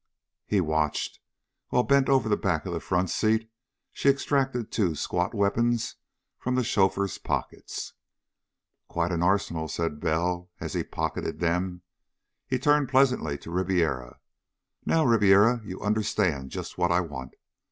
He watched, while, bent over the back of the front seat, she extracted two squat weapons from the chauffeur's pockets. "Quite an arsenal," said Bell as he pocketed them. He turned pleasantly to Ribiera. "Now, Ribiera, you understand just what I want.